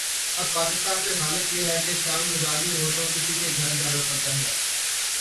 اب پاکستان میں حالت یہ ہے کہ شام گزارنی ہو تو کسی کے گھر جانا پڑتا ہے۔